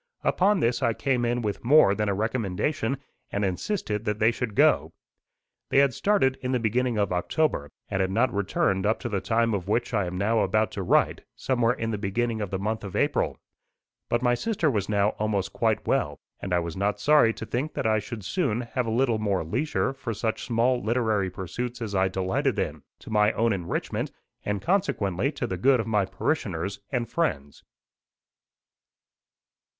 Upon this I came in with more than a recommendation, and insisted that they should go. They had started in the beginning of October, and had not returned up to the time of which I am now about to write somewhere in the beginning of the month of April. But my sister was now almost quite well, and I was not sorry to think that I should soon have a little more leisure for such small literary pursuits as I delighted in to my own enrichment, and consequently to the good of my parishioners and friends.